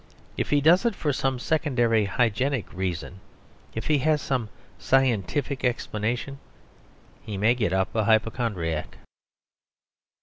If he does it for some secondary hygienic reason, if he has some scientific explanation, he may get up a hypochondriac.